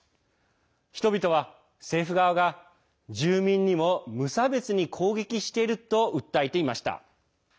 人々は政府側が住民にも無差別に攻撃していると訴えていました。